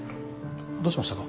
どうしましたか？